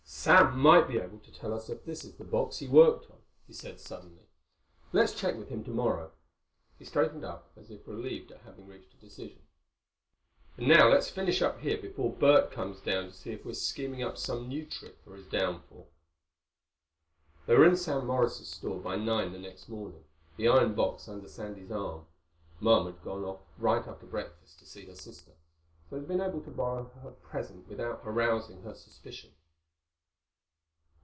"Sam might be able to tell us if this is the box he worked on," he said suddenly. "Let's check with him tomorrow." He straightened up, as if relieved at having reached a decision. "And now let's finish up here, before Bert comes down to see if we're scheming up some new trick for his downfall." They were in Sam Morris's store by nine the next morning, the iron box under Sandy's arm. Mom had gone off right after breakfast to see her sister, so they had been able to borrow her present without arousing her suspicion.